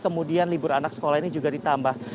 kemudian libur anak sekolah ini juga ditambah